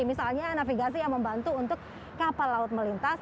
misalnya navigasi yang membantu untuk kapal laut melintas